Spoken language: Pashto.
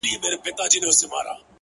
د مقدسي فلسفې د پيلولو په نيت ـ